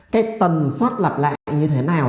cái tầm soát lặp lại như thế nào